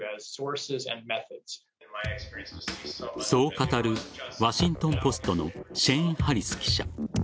そう語るワシントン・ポストのシェーン・ハリス記者。